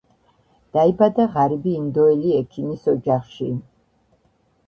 დაიბადა ღარიბი ინდოელი ექიმის ოჯახში.